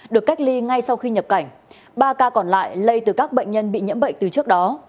được cách ly ngay sau khi nhập cảnh ba ca còn lại lây từ các bệnh nhân bị nhiễm bệnh từ trước đó